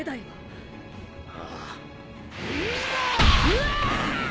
うわ！